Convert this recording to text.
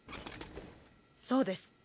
そうです。